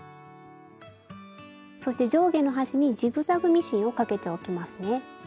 そして上下の端にジグザグミシンをかけておきますね。